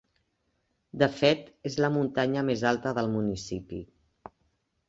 De fet, és la muntanya més alta del municipi.